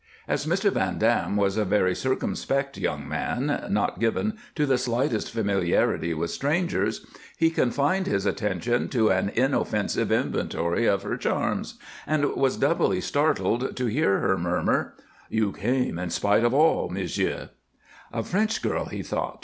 As Mr. Van Dam was a very circumspect young man, not given to the slightest familiarity with strangers, he confined his attentions to an inoffensive inventory of her charms, and was doubly startled to hear her murmur: "You came in spite of all, m'sieu'!" A French girl, he thought.